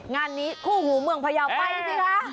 งานนี้คู่หูเมืองพยาวไปสิคะ